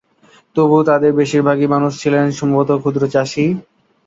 তবুও তাদের বেশিরভাগই মানুষজন ছিলেন সম্ভবত ক্ষুদ্র চাষীই।